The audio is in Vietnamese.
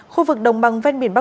khu vực đồng bằng văn biển bắc